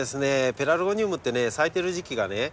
ペラルゴニウムってね咲いてる時期がね